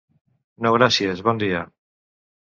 No gràcies, bon dia!